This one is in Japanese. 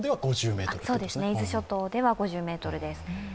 伊豆諸島では５０メートルです。